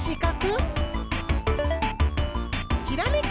ひらめき！